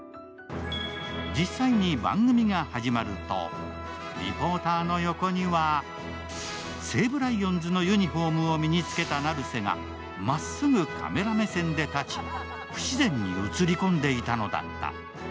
実際に番組が始まると、リポーターの横には西武ライオンズのユニフォームを身につけた成瀬が成瀬がまっすぐカメラ目線で立ち、不自然に映り込んでいたのだった。